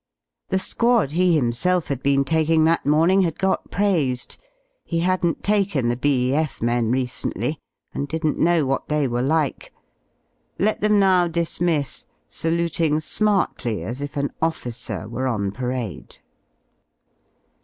The squad he himself had been taking that morning had got praised; he hadn^t taken the B.E.F. men recently, and didn^t know what they ivere like. Let them now dismiss^ saluting smartly as if an officer were on parade.